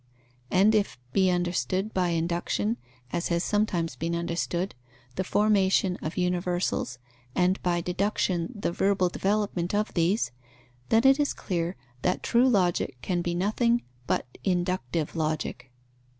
And if be understood by induction, as has sometimes been understood, the formation of universals, and by deduction the verbal development of these, then it is clear that true Logic can be nothing but inductive Logic.